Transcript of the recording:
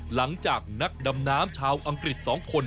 หลังจากนักดำน้ำชาวอังกฤษ๒คน